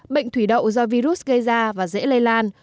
bệnh thủy đậu do virus gây ra và dễ lây lan